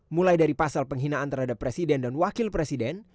mulai dari pasal penghinaan terhadap presiden dan wakil presiden